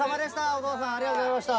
お父さんありがとうございました。